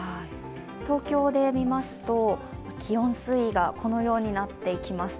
東京で見ますと気温推移がこのようになっていきます。